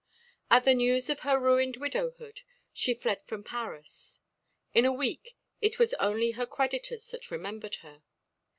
At the news of her ruined widowhood she fled from Paris. In a week it was only her creditors that remembered her.